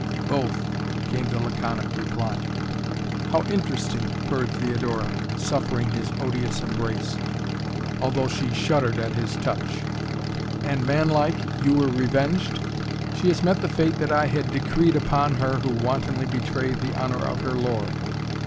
"Both!" came the laconic reply. "How interesting," purred Theodora, suffering his odious embrace, although she shuddered at his touch. "And, man like, you were revenged?" "She has met the fate I had decreed upon her who wantonly betrayed the honor of her lord."